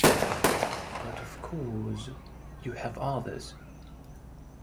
But of course you have others.